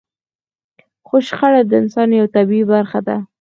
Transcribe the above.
خو شخړه د انسان يوه طبيعي برخه ده.